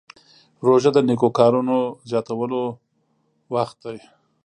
روژه د نیکو کارونو زیاتولو وخت دی.